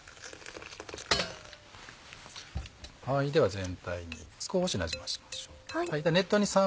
では全体に少しなじませましょう。